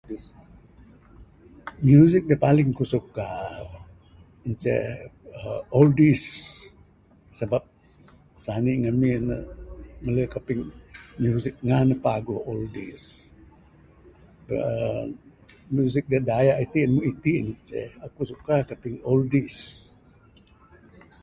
Music da paling ku suka inceh oldies sabab sani ngamin ne mele kaping music ngan ne paguh oldies uhh music da dayak itin itin ne ce aku suka kaping oldies.